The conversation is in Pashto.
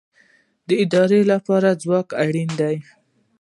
د ارادې لپاره ځواک اړین دی